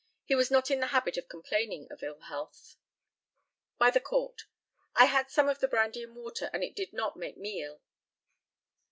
He was not in the habit of complaining of ill health. By the COURT: I had some of the brandy and water, and it did not make me ill.